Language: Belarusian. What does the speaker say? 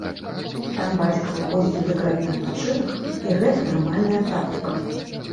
Там бацька выходзіць у дэкрэтны адпачынак, і гэта нармальная практыка.